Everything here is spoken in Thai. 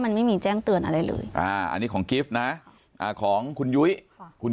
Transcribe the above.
มันไม่มีแจ้งเตือนอะไรเลยอ่าอันนี้ของกิฟต์นะของคุณยุ้ยค่ะคุณ